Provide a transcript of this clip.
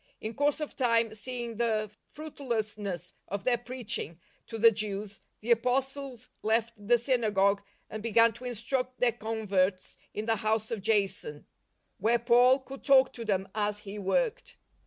In course of time, seeing the froitlessness of their preaching to the SECOND JOURNEY 69 Jews, the Apostles left the synagogue and began to instruct their converts in the house of Jason, where Paul could talk to them as he worked.